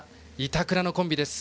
板倉のコンビです。